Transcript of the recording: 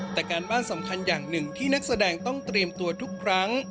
แต่การบ้านสำคัญอย่างหนึ่งที่นักแสดงต้องเตรียมตัวทุกครั้ง